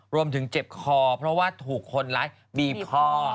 เจ็บคอเพราะว่าถูกคนร้ายบีบคอ